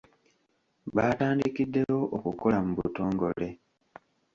Baatandikiddewo okukola mu butongole.